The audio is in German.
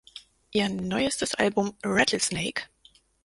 Ihr neuestes Album "Rattlesnake!